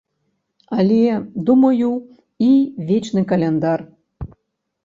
Але, думаю, і вечны каляндар.